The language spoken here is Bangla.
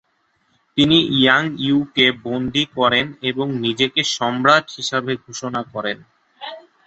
তিনি ইয়াং ইউকে বন্দী করেন এবং নিজেকে সম্রাট হিসেবে ঘোষণা দেন।